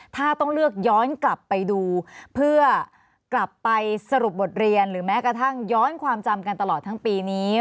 ถ้าต้องเลือกย้อนกลับไปดูเพื่อกลับไปสรุปบทเรียนหรือแม้กระทั่งย้อนความจำกันตลอดทั้งปีนี้